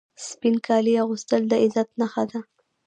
سپین کالي اغوستل د عزت نښه ده.